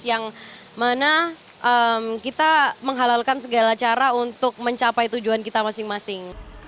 yang mana kita menghalalkan segala cara untuk mencapai tujuan kita masing masing